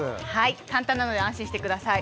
簡単なので安心してください。